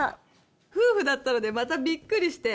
夫婦だったので、またびっくりして。